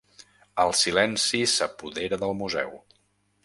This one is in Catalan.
El silenci s'apodera del museu.